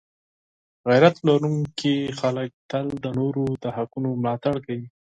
غیرت لرونکي خلک تل د نورو د حقونو ملاتړ کوي.